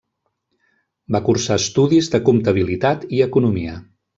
Va cursar estudis de comptabilitat i economia.